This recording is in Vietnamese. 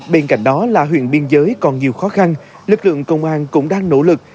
bên cạnh đó là huyện biên giới còn nhiều khó khăn lực lượng công an cũng đang nỗ lực